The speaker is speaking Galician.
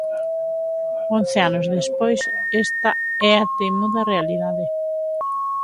Once anos despois esta é a teimuda realidade.